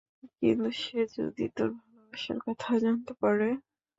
কিন্তু সে যদি তোর ভালোবাসার কথা জানতে পারে?